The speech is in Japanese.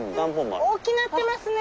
大きなってますね。